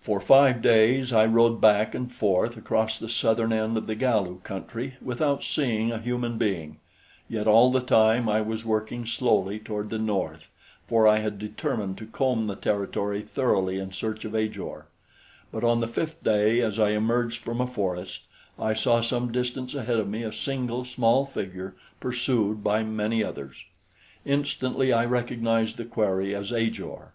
For five days I rode back and forth across the southern end of the Galu country without seeing a human being; yet all the time I was working slowly toward the north, for I had determined to comb the territory thoroughly in search of Ajor; but on the fifth day as I emerged from a forest, I saw some distance ahead of me a single small figure pursued by many others. Instantly I recognized the quarry as Ajor.